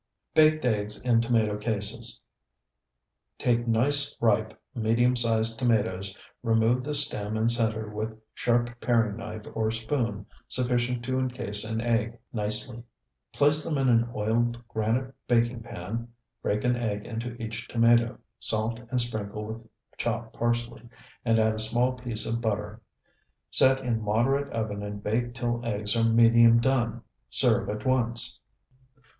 BAKED EGGS IN TOMATO CASES Take nice, ripe, medium sized tomatoes, remove the stem and center with sharp paring knife or spoon sufficient to encase an egg nicely. Place them in an oiled granite baking pan, break an egg into each tomato, salt and sprinkle with chopped parsley, and add a small piece of butter. Set in moderate oven and bake till eggs are medium done. Serve at once.